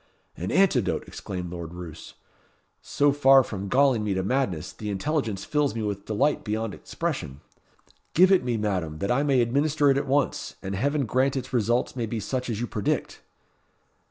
"An antidote!" exclaimed Lord Roos. "So far from galling me to madness, the intelligence fills me with delight beyond expression. Give it me, Madam, that I may administer it at once; and heaven grant its results may be such as you predict!"